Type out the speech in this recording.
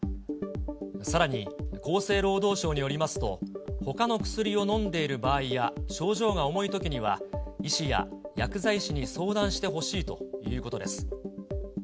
さらに、厚生労働省によりますと、ほかの薬を飲んでいる場合や症状が重いときには、医師や薬剤師に相談してほしいということです。